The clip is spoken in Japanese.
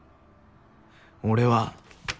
俺は。